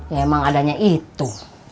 ya emang adanya itu